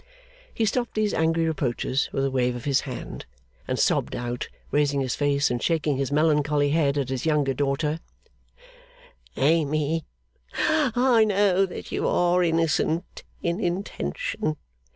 He stopped these angry reproaches with a wave of his hand, and sobbed out, raising his face and shaking his melancholy head at his younger daughter, 'Amy, I know that you are innocent in intention.